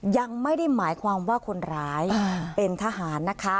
ยังไม่ได้หมายความว่าคนร้ายเป็นทหารนะคะ